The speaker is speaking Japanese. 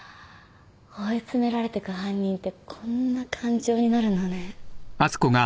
追い詰められてく犯人ってこんな感情になるのね。